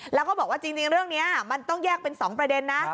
แล้วก็บอกว่าจริงเรื่องนี้มันต้องแยกเป็น๒ประเด็นนะ